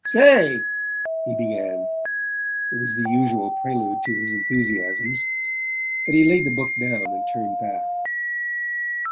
"Say " he began: it was the usual prelude to his enthusiasms; but he laid the book down and turned back.